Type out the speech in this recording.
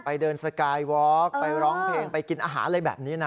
เดินสกายวอล์กไปร้องเพลงไปกินอาหารอะไรแบบนี้นะ